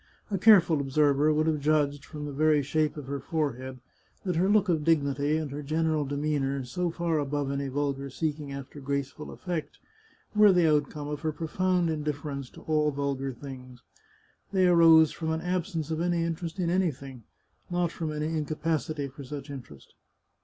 A careful observer would have judged, from the very shape of her forehead, that her look of dignity, and her general demeanour, so far above any vulgar seeking after graceful eflfect, were the outcome of her profound indifference to all vulgar things. They arose from an absence of any in terest in anything — not from any incapacity for such inter est.